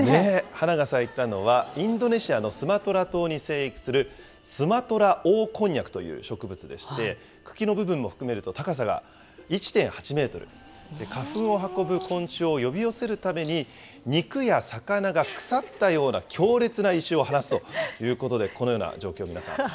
花が咲いたのはインドネシアのスマトラ島に生育するスマトラオオコンニャクという植物でして、茎の部分も含めると、高さが１．８メートル、花粉を運ぶ昆虫を呼び寄せるために、肉や魚が腐ったような強烈な異臭を放つということで、このような状況を皆さん。